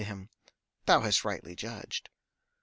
Yea, thou hast rightly judged.